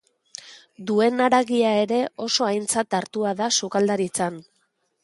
Duen haragia ere oso aintzat hartua da sukaldaritzan.